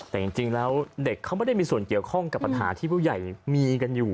แต่จริงแล้วเด็กเขาไม่ได้มีส่วนเกี่ยวข้องกับปัญหาที่ผู้ใหญ่มีกันอยู่